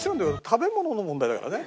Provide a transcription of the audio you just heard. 食べ物の問題だからね。